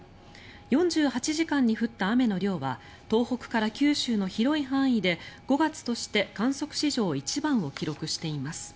４８時間に降った雨の量は東北から九州の広い範囲で５月として観測史上一番を記録しています。